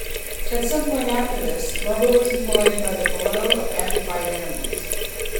At some point after this, Bobo was employed by the Bureau of Amplified Animals.